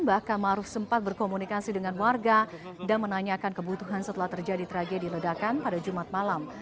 bahkan maruf sempat berkomunikasi dengan warga dan menanyakan kebutuhan setelah terjadi tragedi ledakan pada jumat malam